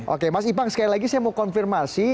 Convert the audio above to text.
oke mas ipang sekali lagi saya mau konfirmasi